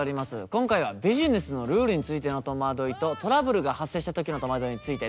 今回はビジネスのルールについての戸惑いとトラブルが発生した時の戸惑いについてです。